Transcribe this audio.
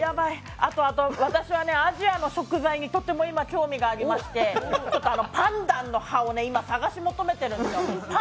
あと、私はアジアの食材に今、とても興味がありまして、パンダンの葉を今、探し求めてるんです。